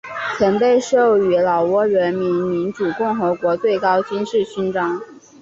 曾被授予老挝人民民主共和国最高金质勋章。